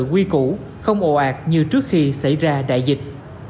quy cũ không ồ ạt như trước khi xảy ra đại dịch